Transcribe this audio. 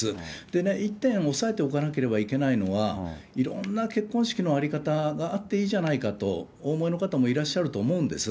でね、１点押さえておかなければいけないのは、いろんな結婚式の在り方があっていいじゃないかとお思いの方もいらっしゃると思うんです。